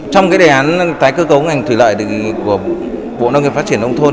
trong cái đề án tái cơ cấu ngành thủy lợi của bộ nông nghiệp phát triển nông thôn